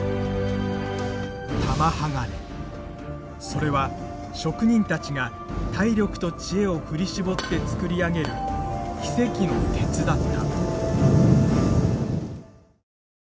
それは職人たちが体力と知恵を振り絞ってつくり上げる奇跡の鉄だった。